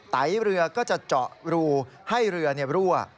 ไตเรือก็จะเจาะรูให้เรือรั่ว